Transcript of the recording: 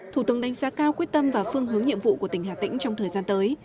thủ tướng đánh giá cao quyết tâm và phương hướng nhiệm vụ của tỉnh hà tĩnh trong thời gian tới